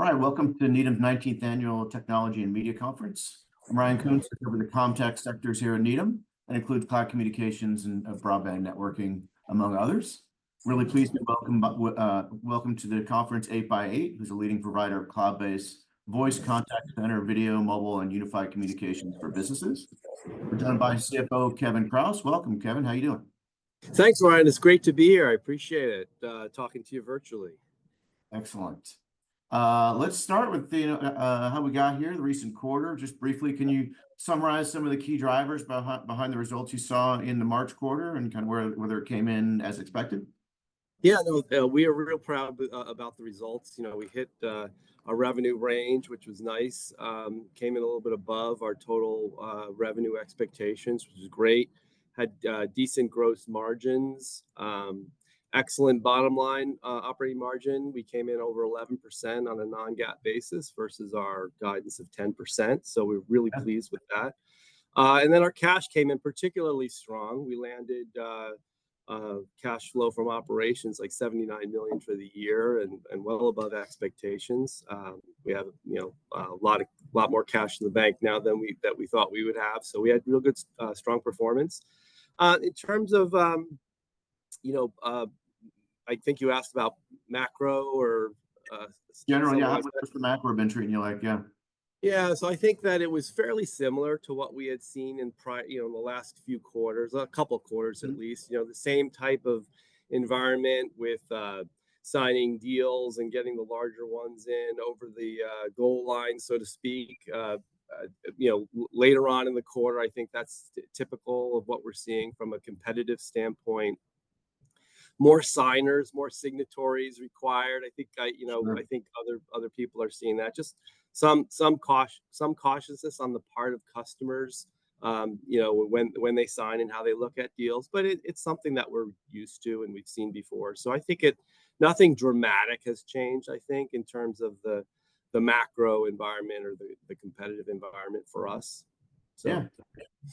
All right, welcome to Needham's 19th Annual Technology and Media Conference. I'm Ryan Koontz, I cover the comm tech sectors here in Needham. That includes cloud communications and broadband networking, among others. Really pleased to welcome to the conference 8x8, who's a leading provider of cloud-based voice contact center, video, mobile, and unified communications for businesses. We're joined by CFO Kevin Kraus. Welcome, Kevin. How are you doing? Thanks, Ryan. It's great to be here. I appreciate it, talking to you virtually. Excellent. Let's start with how we got here, the recent quarter. Just briefly, can you summarize some of the key drivers behind the results you saw in the March quarter, and kind of where, whether it came in as expected? Yeah, no, we are real proud about the results. You know, we hit our revenue range, which was nice. Came in a little bit above our total revenue expectations, which was great. Had decent gross margins, excellent bottom line operating margin. We came in over 11% on a Non-GAAP basis versus our guidance of 10%, so we're really pleased with that. Yeah. And then our cash came in particularly strong. We landed cash flow from operations, like, $79 million for the year, and well above expectations. We have, you know, a lot more cash in the bank now than that we thought we would have, so we had real good strong performance. In terms of, you know, I think you asked about macro or s- Generally, how much the macro been treating you like, yeah? Yeah, so I think that it was fairly similar to what we had seen in you know, in the last few quarters, a couple quarters at least. Mm-hmm. You know, the same type of environment with signing deals and getting the larger ones in over the goal line, so to speak. You know, later on in the quarter, I think that's typical of what we're seeing from a competitive standpoint. More signers, more signatories required. I think, you know- Sure... I think other people are seeing that. Just some cautiousness on the part of customers, you know, when they sign and how they look at deals. But it's something that we're used to and we've seen before. So I think it... Nothing dramatic has changed, I think, in terms of the macro environment or the competitive environment for us, so. Yeah.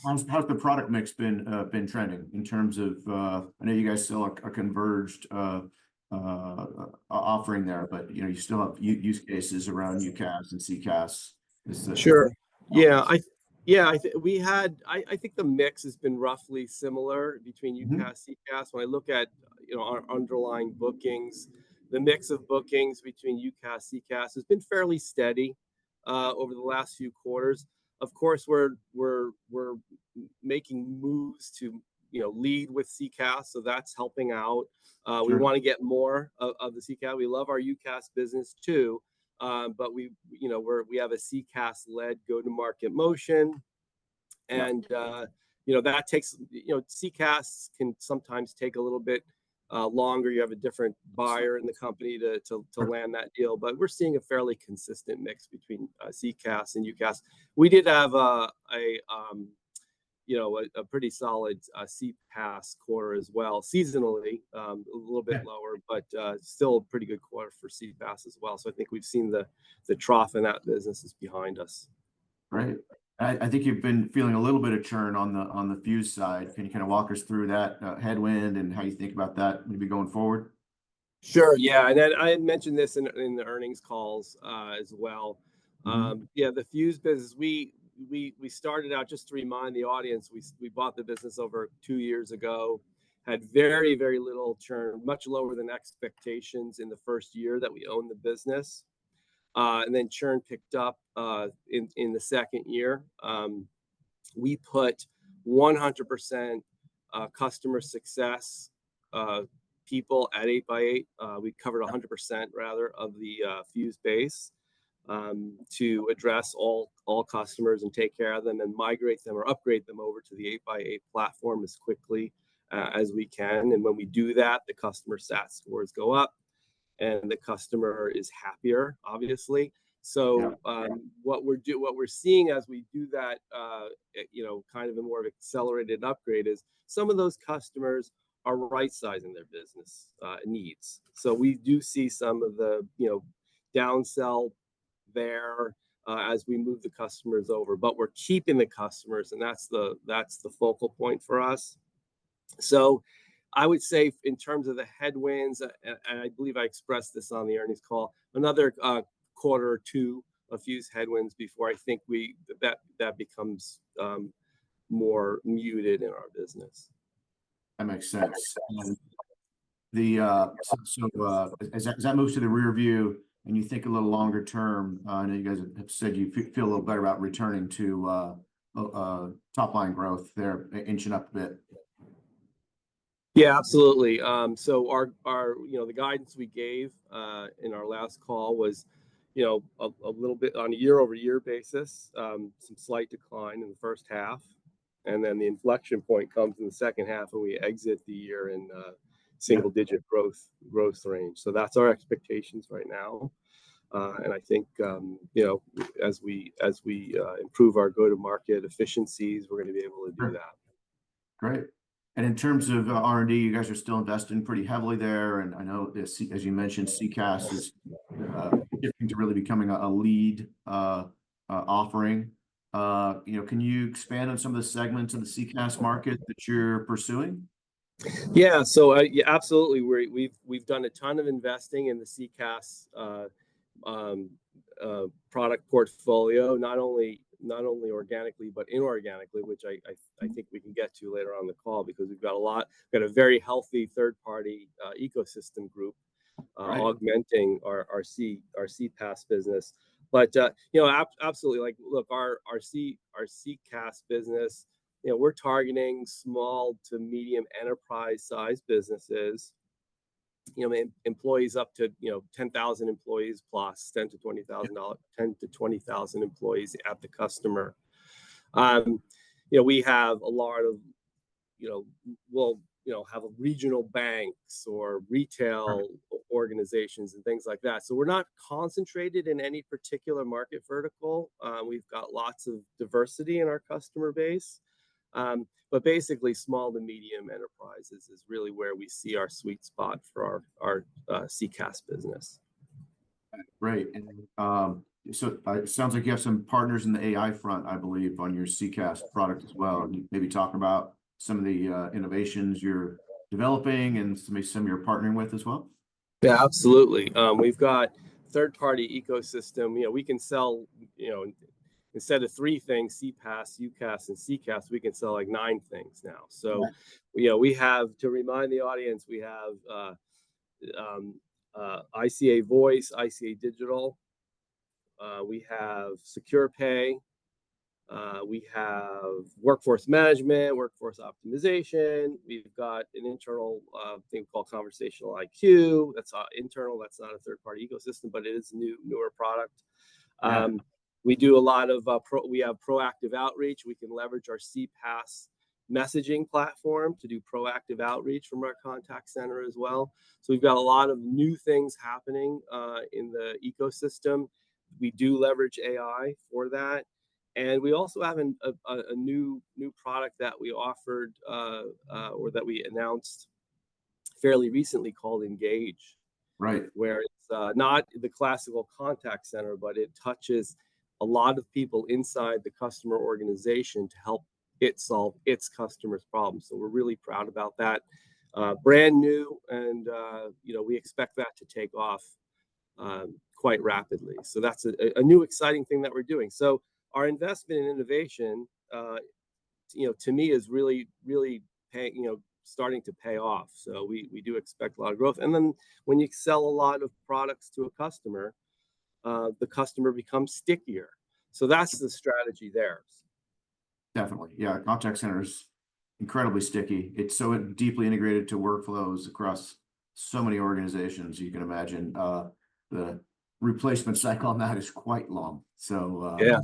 How's the product mix been trending in terms of? I know you guys sell a converged offering there, but, you know, you still have use cases around UCaaS and CCaaS, is- Sure. Yeah. Yeah, I think the mix has been roughly similar between UCaaS and CCaaS. Mm-hmm. When I look at, you know, our underlying bookings, the mix of bookings between UCaaS, CCaaS has been fairly steady over the last few quarters. Of course, we're making moves to, you know, lead with CCaaS, so that's helping out. Sure. We wanna get more of the CCaaS. We love our UCaaS business, too, but you know, we have a CCaaS-led go-to-market motion. Yeah. You know, that takes... You know, CCaaS can sometimes take a little bit longer. You have a different buyer- Sure... in the company to land that deal, but we're seeing a fairly consistent mix between CCaaS and UCaaS. We did have, you know, a pretty solid CPaaS quarter as well. Seasonally, a little bit lower- Yeah... but, still a pretty good quarter for CPaaS as well. So I think we've seen the trough in that business is behind us. Right. I think you've been feeling a little bit of churn on the Fuze side. Can you kind of walk us through that headwind and how you think about that maybe going forward? Sure, yeah. And then I had mentioned this in the earnings calls as well. Mm-hmm. Yeah, the Fuze business, we started out, just to remind the audience, we bought the business over two years ago. Had very, very little churn, much lower than expectations in the first year that we owned the business, and then churn picked up in the second year. We put 100%, customer success people at 8x8. We covered 100%, rather, of the Fuze base, to address all customers and take care of them, and migrate them or upgrade them over to the 8x8 platform as quickly as we can. And when we do that, the customer sat scores go up, and the customer is happier, obviously. Yeah. So, what we're seeing as we do that, you know, kind of a more of accelerated upgrade, is some of those customers are rightsizing their business needs. So we do see some of the, you know, downsell there, as we move the customers over. But we're keeping the customers, and that's the, that's the focal point for us. So I would say in terms of the headwinds, and, I believe I expressed this on the earnings call, another quarter or two of Fuze headwinds before I think we- that, that becomes more muted in our business. That makes sense. So, as that moves to the rear view and you think a little longer term, I know you guys have said you feel a little better about returning to top line growth there, inching up a bit. Yeah, absolutely. So our, you know, the guidance we gave in our last call was, you know, a little bit on a year-over-year basis, some slight decline in the first half, and then the inflection point comes in the second half, and we exit the year in- Yeah... single-digit growth, growth range. So that's our expectations right now. And I think, you know, as we improve our go-to-market efficiencies, we're gonna be able to do that. Great. And in terms of R&D, you guys are still investing pretty heavily there, and I know the CCaaS, as you mentioned, is getting to really becoming a lead offering. You know, can you expand on some of the segments in the CCaaS market that you're pursuing?... Yeah, so, yeah, absolutely. We've done a ton of investing in the CCaaS product portfolio, not only organically, but inorganically, which I think we can get to later on in the call, because we've got a lot... We've got a very healthy third-party ecosystem group- Right... augmenting our CPaaS business. But, you know, absolutely, like, look, our CCaaS business, you know, we're targeting small to medium enterprise-sized businesses, you know, I mean, employees up to, you know, 10,000+ employees, 10-20,000 employees at the customer. You know, we have a lot of, you know, we'll, you know, have regional banks or retail- Right... organizations and things like that. So we're not concentrated in any particular market vertical. We've got lots of diversity in our customer base. But basically, small to medium enterprises is really where we see our sweet spot for our CCaaS business. Right. And, so, it sounds like you have some partners in the AI front, I believe, on your CCaaS product as well. Can you maybe talk about some of the innovations you're developing, and maybe some you're partnering with as well? Yeah, absolutely. We've got third-party ecosystem. You know, we can sell, you know, instead of three things, CPaaS, UCaaS, and CCaaS, we can sell, like, nine things now. Right. So, you know, we have, to remind the audience, we have ICA Voice, ICA Digital. We have Secure Pay. We have workforce management, workforce optimization. We've got an internal thing called Conversational IQ. That's internal, that's not a third-party ecosystem, but it is newer product. Yeah. We do a lot of proactive outreach. We can leverage our CPaaS messaging platform to do proactive outreach from our contact center as well. So we've got a lot of new things happening in the ecosystem. We do leverage AI for that, and we also have a new product that we offered, or that we announced fairly recently, called Engage- Right... where it's not the classical contact center, but it touches a lot of people inside the customer organization to help it solve its customers' problems. So we're really proud about that. Brand-new, and you know, we expect that to take off quite rapidly. So that's a new, exciting thing that we're doing. So our investment in innovation, you know, to me, is really, really paying, you know, starting to pay off, so we do expect a lot of growth. And then when you sell a lot of products to a customer, the customer becomes stickier. So that's the strategy there. Definitely. Yeah, contact center's incredibly sticky. It's so deeply integrated to workflows across so many organizations. You can imagine, the replacement cycle on that is quite long. So, Yeah...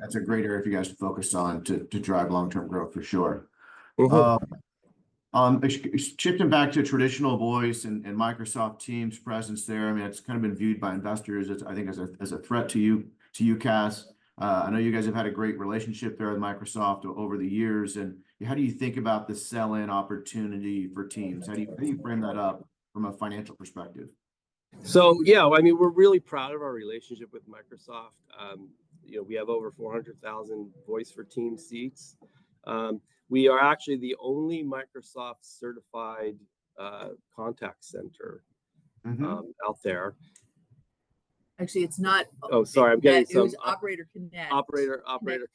that's a great area for you guys to focus on, to drive long-term growth, for sure. Mm-hmm. Shifting back to traditional voice and Microsoft Teams' presence there, I mean, it's kind of been viewed by investors as, I think, a threat to you, to UCaaS. I know you guys have had a great relationship there with Microsoft over the years, and how do you think about the sell-in opportunity for Teams? Yeah. How do you bring that up from a financial perspective? So yeah, I mean, we're really proud of our relationship with Microsoft. You know, we have over 400,000 Voice for Teams seats. We are actually the only Microsoft-certified contact center- Mm-hmm... out there. Actually, it's Operator Connect provider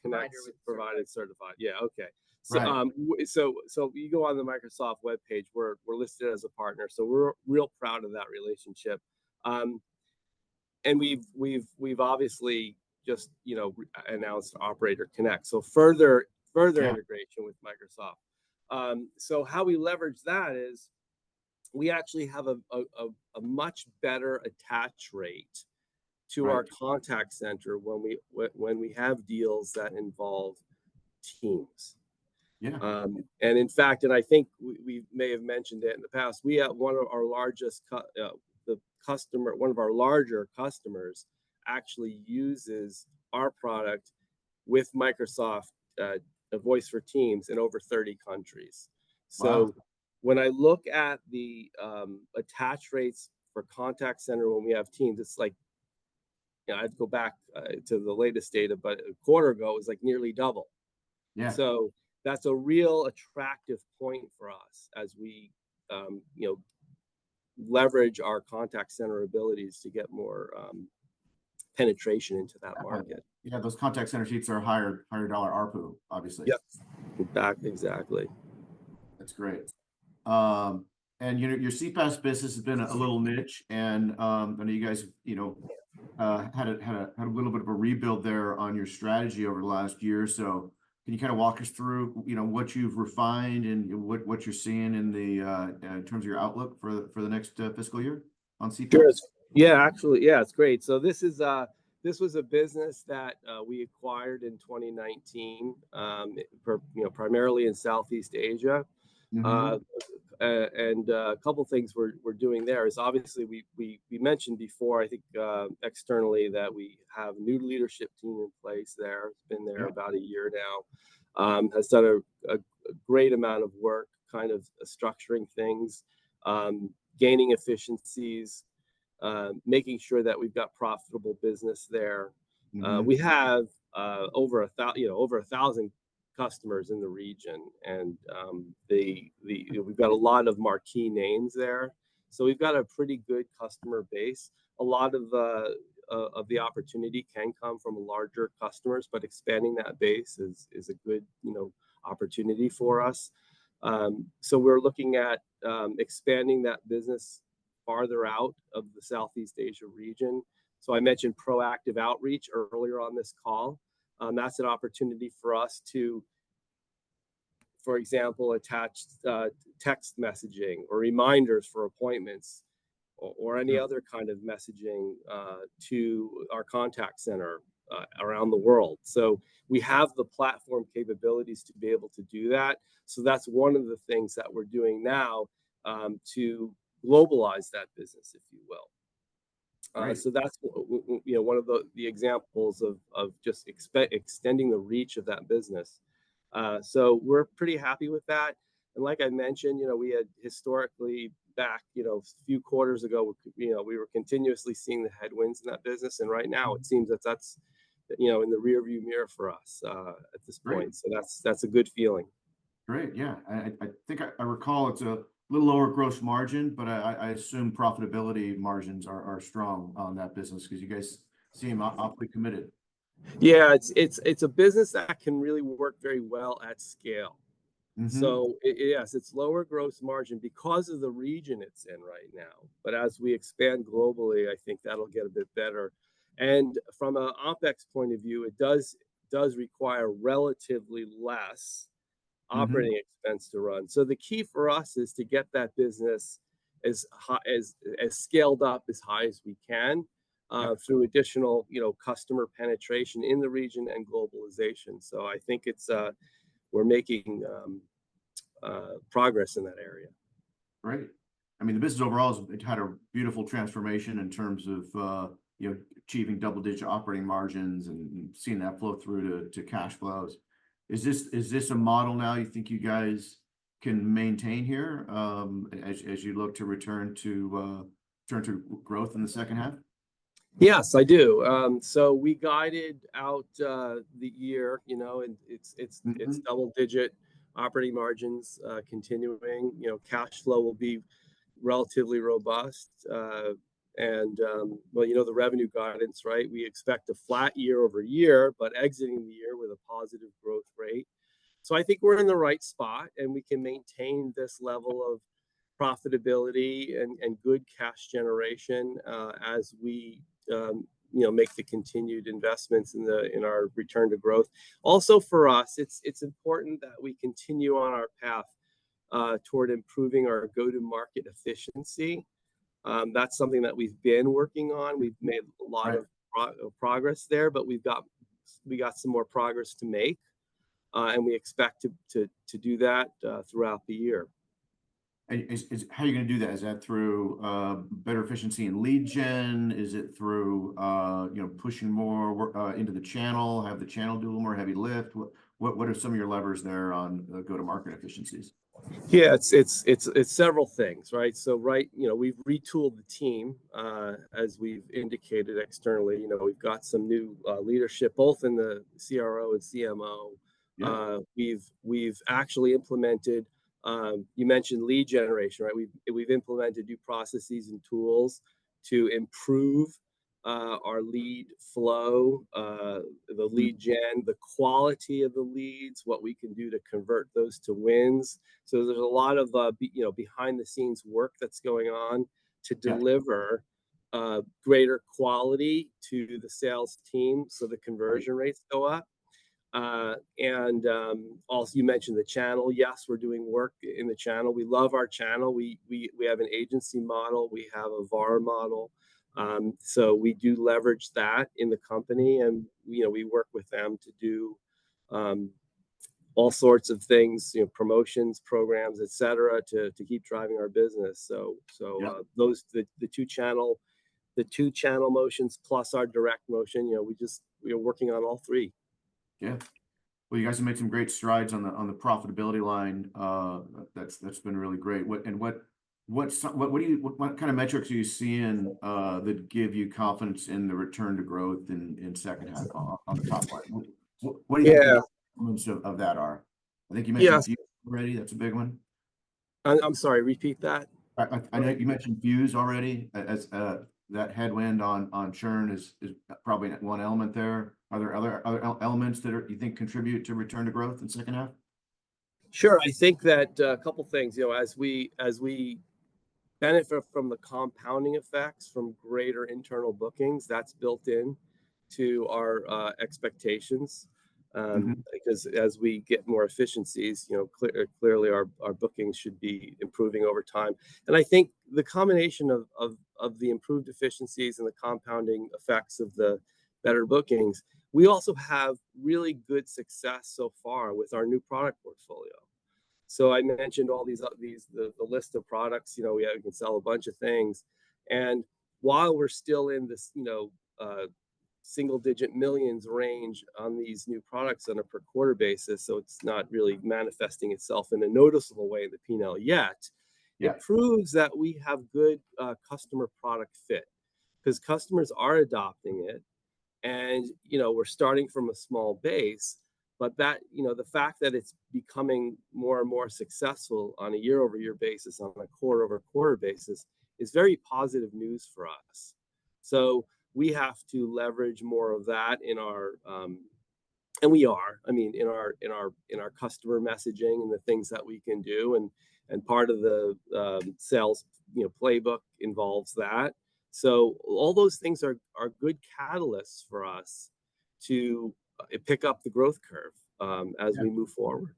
certified. Yeah, okay. Right. So, if you go on the Microsoft webpage, we're listed as a partner, so we're real proud of that relationship. And we've obviously just, you know, announced Operator Connect, so further integration- Yeah... with Microsoft. How we leverage that is we actually have a much better attach rate- Right... to our contact center when we have deals that involve Teams. Yeah. And in fact, and I think we may have mentioned it in the past, we have one of our larger customers actually uses our product with Microsoft Voice for Teams in over 30 countries. Wow. So when I look at the attach rates for contact center when we have Teams, it's like... You know, I'd go back to the latest data, but a quarter ago, it was, like, nearly double. Yeah. So that's a real attractive point for us as we, you know, leverage our contact center abilities to get more penetration into that market. Yeah, those contact center seats are higher, higher dollar ARPU, obviously. Yeah. Exactly, exactly. That's great. And you know, your CPaaS business has been a little niche, and I know you guys, you know, had a little bit of a rebuild there on your strategy over the last year. So can you kinda walk us through, you know, what you've refined and what you're seeing in terms of your outlook for the next fiscal year on CPaaS? Sure. Yeah, absolutely. Yeah, it's great. So this was a business that we acquired in 2019, for, you know, primarily in Southeast Asia. Mm-hmm. A couple things we're doing there is, obviously, we mentioned before, I think, externally, that we have new leadership team in place there. Yeah. It's been there about a year now. Has done a great amount of work kind of structuring things, gaining efficiencies, making sure that we've got profitable business there. Mm-hmm. We have, you know, over 1,000 customers in the region, and, the, the, you know, we've got a lot of marquee names there, so we've got a pretty good customer base. A lot of, of the opportunity can come from larger customers, but expanding that base is, is a good, you know, opportunity for us. So we're looking at, expanding that business farther out of the Southeast Asia region. So I mentioned proactive outreach earlier on this call. That's an opportunity for us to, for example, attach text messaging or reminders for appointments or, or- Yeah... any other kind of messaging to our contact center around the world. So we have the platform capabilities to be able to do that, so that's one of the things that we're doing now to globalize that business, if you will. Right. So that's, you know, one of the examples of just extending the reach of that business. So we're pretty happy with that, and like I mentioned, you know, we had historically back, you know, a few quarters ago, you know, we were continuously seeing the headwinds in that business, and right now it seems that that's, you know, in the rear view mirror for us, at this point. Great. So that's, that's a good feeling. Great, yeah. I think I recall it's a little lower gross margin, but I assume profitability margins are strong on that business, 'cause you guys seem awfully committed. Yeah, it's a business that can really work very well at scale. Mm-hmm. Yes, it's lower gross margin because of the region it's in right now, but as we expand globally, I think that'll get a bit better. And from an OpEx point of view, it does require relatively less- Mm-hmm ... operating expense to run. So the key for us is to get that business as high, scaled up as high as we can. Yeah... through additional, you know, customer penetration in the region and globalization. So I think it's we're making progress in that area. Great. I mean, the business overall has had a beautiful transformation in terms of, you know, achieving double-digit operating margins and seeing that flow through to cash flows. Is this a model now you think you guys can maintain here, as you look to return to growth in the second half? Yes, I do. So we guided out the year, you know, and it's... Mm-hmm... double-digit operating margins, continuing. You know, cash flow will be relatively robust. And, well, you know, the revenue guidance, right? We expect a flat year-over-year, but exiting the year with a positive growth rate. So I think we're in the right spot, and we can maintain this level of profitability and good cash generation, as we, you know, make the continued investments in our return to growth. Also, for us, it's important that we continue on our path toward improving our go-to-market efficiency. That's something that we've been working on. We've made a lot of- Right... progress there, but we've got some more progress to make, and we expect to do that throughout the year. How are you gonna do that? Is that through better efficiency in lead gen? Is it through, you know, pushing more into the channel, have the channel do a little more heavy lift? What are some of your levers there on go-to-market efficiencies? Yeah, it's several things, right? So, right now, we've retooled the team. As we've indicated externally, you know, we've got some new leadership, both in the CRO and CMO. Yeah. We've actually implemented... You mentioned lead generation, right? We've implemented new processes and tools to improve our lead flow, the lead gen- Mm... the quality of the leads, what we can do to convert those to wins. So there's a lot of, you know, behind-the-scenes work that's going on- Yeah... to deliver greater quality to the sales team, so the conversion rates go up. And also you mentioned the channel. Yes, we're doing work in the channel. We love our channel. We have an agency model. We have a VAR model. So we do leverage that in the company, and, you know, we work with them to do all sorts of things, you know, promotions, programs, et cetera, to keep driving our business. So, Yeah... those, the two channel motions plus our direct motion, you know, we are working on all three. Yeah. Well, you guys have made some great strides on the profitability line. That's been really great. What kind of metrics are you seeing that give you confidence in the return to growth in the second half on the top line? Yeah. What do you think? Yeah... elements of that are? I think you mentioned- Yeah... Fuze already. That's a big one. I'm sorry. Repeat that. I know you mentioned Fuze already. As that headwind on churn is probably one element there. Are there other elements that you think contribute to return to growth in second half? Sure. I think that, a couple things, you know, as we, as we benefit from the compounding effects from greater internal bookings, that's built in to our, expectations. Mm-hmm. Because as we get more efficiencies, you know, clearly, our bookings should be improving over time. And I think the combination of the improved efficiencies and the compounding effects of the better bookings, we also have really good success so far with our new product portfolio. So I mentioned all these, the list of products. You know, we can sell a bunch of things, and while we're still in this single-digit millions range on these new products on a per-quarter basis, so it's not really manifesting itself in a noticeable way in the P&L yet. Yeah. It proves that we have good customer product fit, 'cause customers are adopting it, and, you know, we're starting from a small base, but that, you know, the fact that it's becoming more and more successful on a year-over-year basis, on a quarter-over-quarter basis, is very positive news for us. So we have to leverage more of that in our, I mean, in our customer messaging and the things that we can do, and part of the sales, you know, playbook involves that. So all those things are good catalysts for us to pick up the growth curve, as we- Yeah... move forward.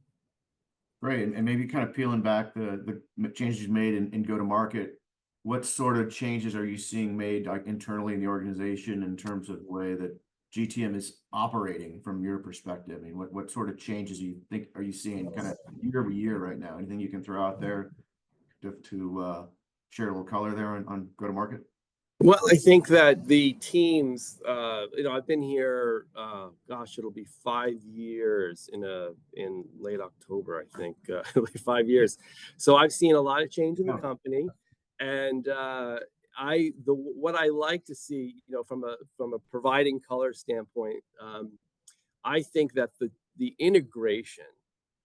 Right, and maybe kind of peeling back the changes you made in go-to-market, what sort of changes are you seeing made, like, internally in the organization in terms of the way that GTM is operating from your perspective? I mean, what sort of changes do you think are you seeing- Yes... kind of year-over-year right now? Anything you can throw out there to share a little color there on go-to-market? Well, I think that the teams. You know, I've been here, gosh, it'll be five years in late October, I think, it'll be five years. So I've seen a lot of change in the company. Wow. And, I... The, what I like to see, you know, from a, from a providing color standpoint, I think that the, the integration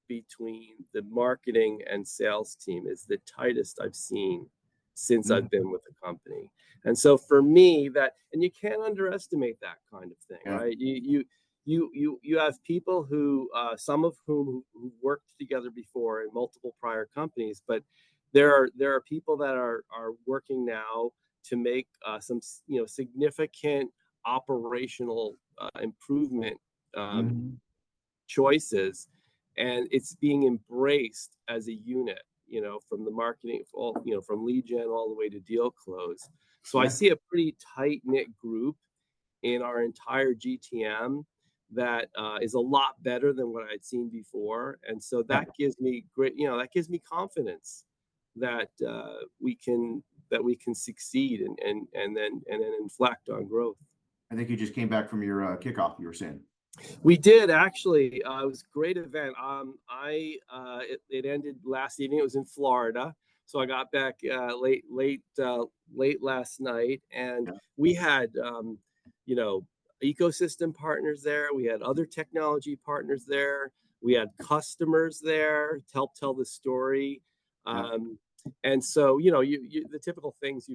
between the marketing and sales team is the tightest I've seen- Mm ... since I've been with the company. And so for me, and you can't underestimate that kind of thing. Yeah. Right? You have people who, some of whom, who worked together before in multiple prior companies, but there are people that are working now to make some, you know, significant operational improvement. Mm... choices, and it's being embraced as a unit, you know, from the marketing all, you know, from lead gen all the way to deal close. Yeah. I see a pretty tight-knit group in our entire GTM that is a lot better than what I'd seen before, and so- Yeah You know, that gives me confidence that we can succeed, and then inflect on growth. I think you just came back from your kickoff, you were saying. We did, actually. It was a great event. It ended last evening. It was in Florida, so I got back late last night, and- Yeah... we had, you know, ecosystem partners there. We had other technology partners there. We had customers there to help tell the story. Mm. And so, you know, the typical things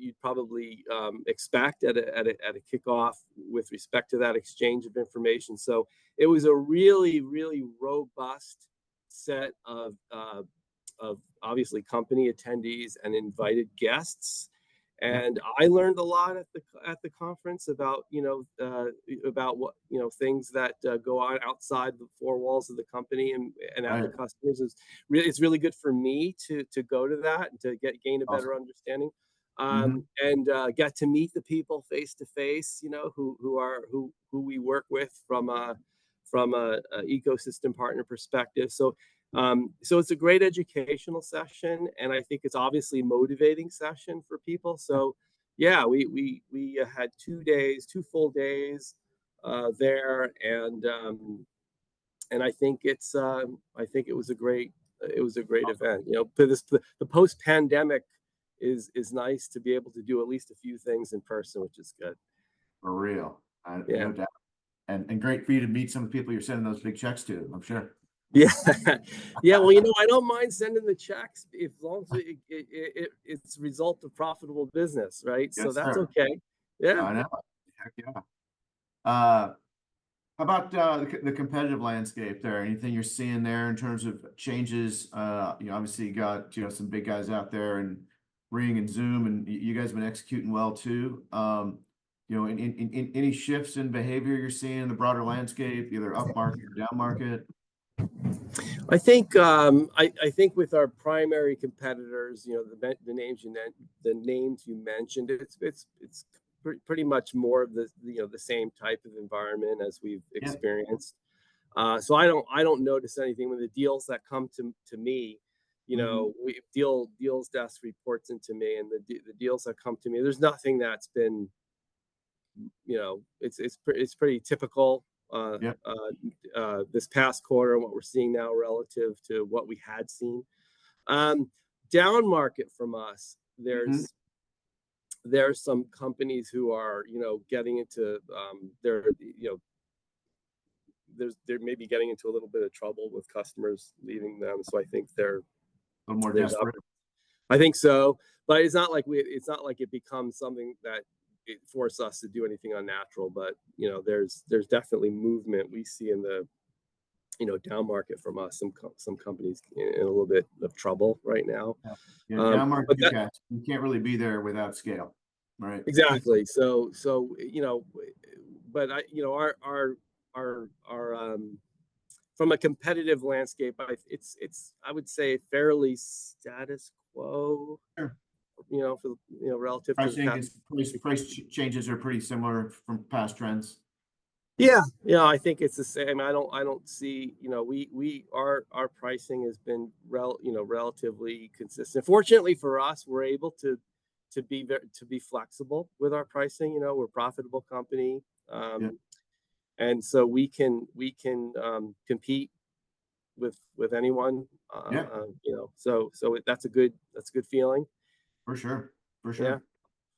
you'd probably expect at a kickoff with respect to that exchange of information. So it was a really, really robust set of obviously company attendees and invited guests. Mm. I learned a lot at the conference about, you know, about what, you know, things that go on outside the four walls of the company and, and- Right... other customers it's really good for me to go to that and to gain a better- Awesome... understanding, Mm-hmm... and get to meet the people face to face, you know, who we work with from an ecosystem partner perspective. So, it's a great educational session, and I think it's obviously a motivating session for people. So yeah, we had two days, two full days, there, and I think it was a great event. Awesome. You know, this, the post-pandemic is nice to be able to do at least a few things in person, which is good. For real. Yeah. No doubt. And great for you to meet some of the people you're sending those big checks to, I'm sure. Yeah. Yeah, well, you know, I don't mind sending the checks, as long as it's a result of profitable business, right? That's right. So that's okay. Yeah. No, I know. Heck yeah. How about the competitive landscape there? Anything you're seeing there in terms of changes? You know, obviously you got, you know, some big guys out there in Ring and Zoom, and you guys have been executing well, too. You know, any shifts in behavior you're seeing in the broader landscape, either upmarket or downmarket? I think with our primary competitors, you know, the names you mentioned, it's pretty much more of the, you know, the same type of environment as we've- Yeah... experienced. So I don't, I don't notice anything with the deals that come to, to me. Mm. You know, deals desk reports into me, and the deals that come to me, there's nothing that's been... You know, it's pretty typical. Yeah... this past quarter and what we're seeing now relative to what we had seen. Downmarket from us, there's- Mm... there are some companies who are, you know, getting into, they're, you know... They're, they're maybe getting into a little bit of trouble with customers leaving them, so I think they're- A little more desperate. I think so. But it's not like it becomes something that it forces us to do anything unnatural, but, you know, there's definitely movement we see in the, you know, downmarket from us, some companies in a little bit of trouble right now. Yeah. but that- Yeah, downmarket, you can't, you can't really be there without scale, right? Exactly. So, you know, but I... You know, from a competitive landscape, it's, I would say fairly status quo- Sure... you know, for the, you know, relative to the past. I think these price changes are pretty similar from past trends?... Yeah, yeah, I think it's the same. I don't see, you know, our pricing has been relatively consistent. Fortunately for us, we're able to be very flexible with our pricing. You know, we're a profitable company. Yeah ... and so we can compete with anyone. Yeah You know, so, so that's a good, that's a good feeling. For sure. For sure.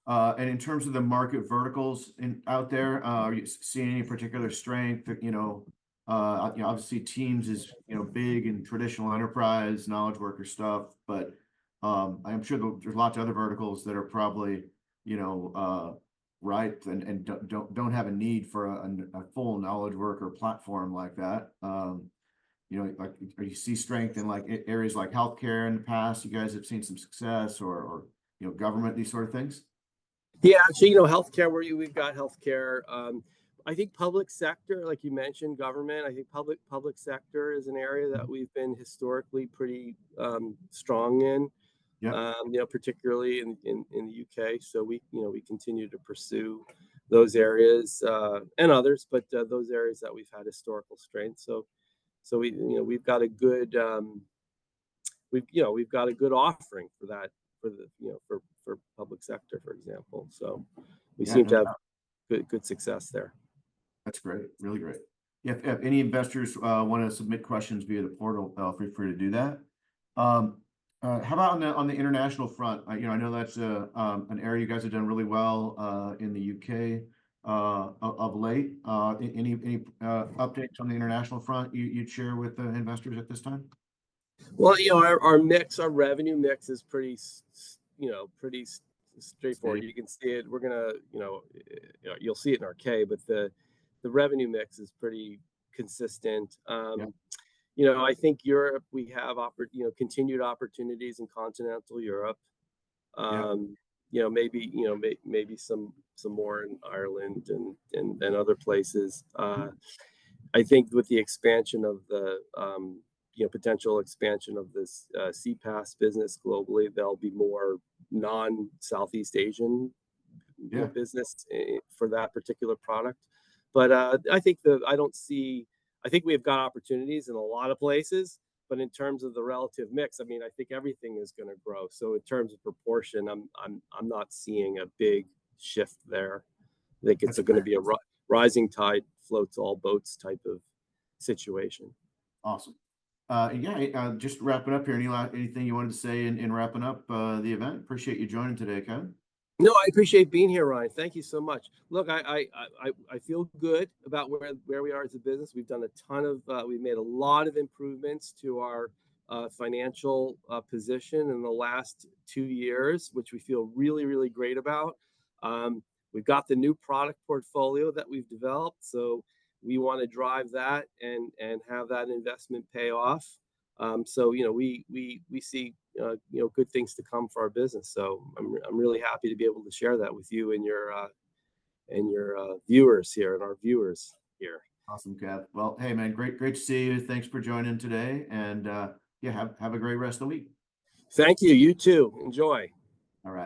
Yeah. And in terms of the market verticals out there, are you seeing any particular strength? You know, obviously Teams is big in traditional enterprise, knowledge worker stuff, but I'm sure there's lots of other verticals that are probably ripe and don't have a need for a full knowledge worker platform like that. You know, like, do you see strength in, like, areas like healthcare in the past? You guys have seen some success or, you know, government, these sort of things? Yeah. So, you know, healthcare, we've got healthcare. I think public sector, like you mentioned, government, I think public sector is an area that we've been historically pretty strong in. Yeah. You know, particularly in the U.K. So we, you know, we continue to pursue those areas, and others, but those areas that we've had historical strength. So we, you know, we've got a good offering for that for the, you know, for public sector, for example. So- Yeah... we seem to have good, good success there. That's great. Really great. If, if any investors wanna submit questions via the portal, feel free to do that. How about on the, on the international front? You know, I know that's an area you guys have done really well in the UK of late. Any updates on the international front you'd share with the investors at this time? Well, you know, our mix, our revenue mix is pretty, you know, pretty straightforward. It is. You can see it. We're gonna, you know, you'll see it in our K, but the revenue mix is pretty consistent. Yeah... you know, I think Europe, we have you know, continued opportunities in continental Europe. Yeah... you know, maybe, you know, maybe some more in Ireland and other places. I think with the expansion of the, you know, potential expansion of this CPaaS business globally, there'll be more non-Southeast Asian- Yeah... business for that particular product. But I think we've got opportunities in a lot of places. But in terms of the relative mix, I mean, I think everything is gonna grow. So in terms of proportion, I'm not seeing a big shift there. That's okay. I think it's gonna be a rising tide floats all boats type of situation. Awesome. Yeah, just wrapping up here, anything you wanted to say in wrapping up the event? Appreciate you joining today, Kevin. No, I appreciate being here, Ryan. Thank you so much. Look, I feel good about where we are as a business. We've done a ton of, we've made a lot of improvements to our, financial, position in the last two years, which we feel really, really great about. We've got the new product portfolio that we've developed, so we wanna drive that and have that investment pay off. So, you know, we see, you know, good things to come for our business. So I'm really happy to be able to share that with you and your, and your, viewers here, and our viewers here. Awesome, Kev. Well, hey, man, great, great to see you. Thanks for joining today, and yeah, have a great rest of the week. Thank you. You too. Enjoy. All right.